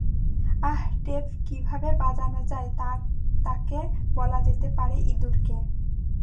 আহ, tape কিভাবে বাজানো যায় তা তাকে বলা যেতে পারে ইঁদুর কে?